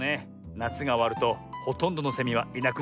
なつがおわるとほとんどのセミはいなくなっちゃうのさ。